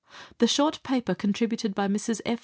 The short paper contributed by Mrs. F.